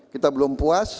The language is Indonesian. kita belum puas